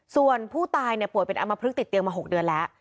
ส่วนผู้ตายป่วยเป็นอำมพลึกติดเตียงมา๖เดือนแล้ว